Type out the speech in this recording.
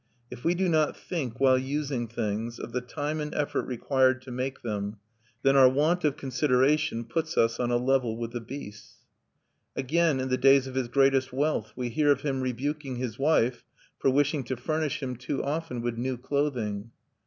_If we do not think, while using things, of the time and effort required to make them, then our want of consideration puts us on a level with the beasts_." Again, in the days of his greatest wealth, we hear of him rebuking his wife for wishing to furnish him too often with new clothing.